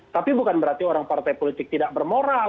tapi bukan berarti orang partai politik tidak bermoral